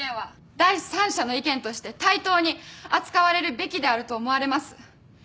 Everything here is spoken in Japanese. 第三者の意見として対等に扱われるべきであると思われます。